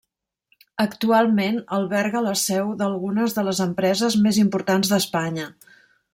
Actualment alberga la seu d'algunes de les empreses més importants d'Espanya.